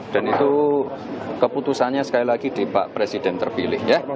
dan itu keputusannya sekali lagi di pak presiden terpilih ya